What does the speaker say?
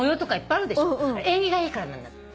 縁起がいいからなんだって。